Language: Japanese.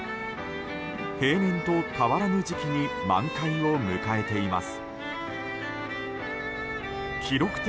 平年と変わらぬ時期に満開を迎えています。